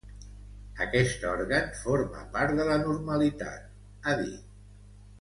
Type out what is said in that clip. Aquest òrgan forma part de la normalitat, ha dit.